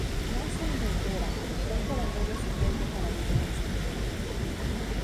Nace en Olvera, pero pronto abandona su pueblo para vivir en Sevilla.